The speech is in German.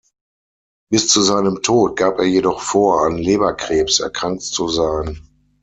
Bis zu seinem Tod gab er jedoch vor, an Leberkrebs erkrankt zu sein.